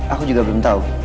aku juga belum tau